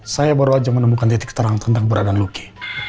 saya baru aja menemukan titik terang tentang keberadaan luki